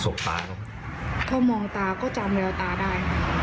สวกตาเขาคะเขามองตาก็จำเดียวตาได้